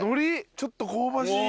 ちょっと香ばしい。